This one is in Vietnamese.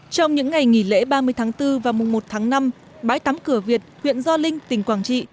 trong những ngày nghỉ lễ ba mươi tháng bốn và mùng một tháng năm bãi tắm cửa việt huyện gio linh tỉnh quảng trị